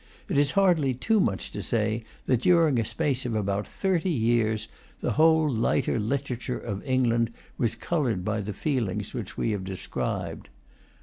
It is hardly too much to say that, during a space of about thirty years, the whole lighter literature of England was coloured by the feelings which we have described.